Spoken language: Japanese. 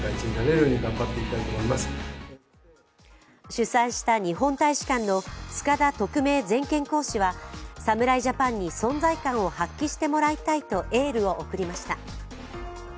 主催した日本大使館の塚田特命全権公使は侍ジャパンに存在感を発揮してもらいたいとエールを送りました。